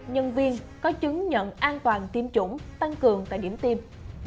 nhân viên có chứng nhận an toàn tiêm chủng tăng cường tại điểm tiêm